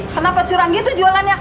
kenapa curangi itu jualannya